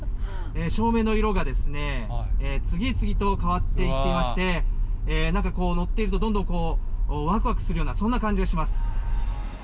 照明の色が次々と変わっていっていまして、なんか、乗っているとどんどんわくわくするような、そんな感じがします。